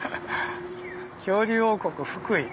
恐竜王国福井。